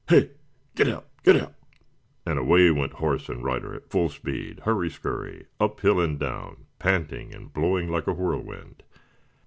He! get up! get up!" And away went horse and rider at full speed hurry scurry up hill and down panting and blowing like a whirlwind.